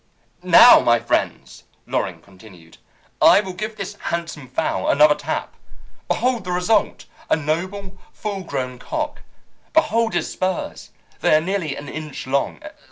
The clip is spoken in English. "Now, my friends," Loring continued, "I will give this handsome fowl another tap. Behold the result a noble, full grown cock! Behold his spurs! They are nearly an inch long!